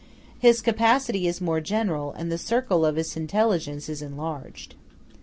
His capacity is more general, and the circle of his intelligence is enlarged.